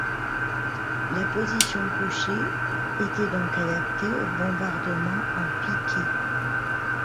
La position couchée était donc adaptée au bombardement en piqué.